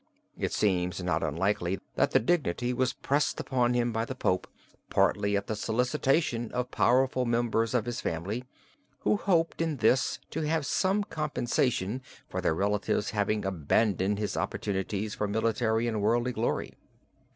It seems not unlikely that the dignity was pressed upon him by the Pope partly at the solicitation of powerful members of his family, who hoped in this to have some compensation for their relative's having abandoned his opportunities for military and worldly glory.